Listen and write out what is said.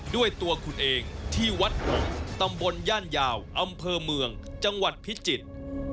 ด้วยตัวคุณเองที่วัดหงตำบลย่านยาวอำเภอเมืองจังหวัดพิจิตร